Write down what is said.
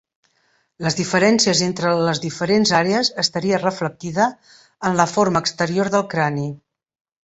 Les diferències entre les diferents àrees estaria reflectida en la forma exterior del crani.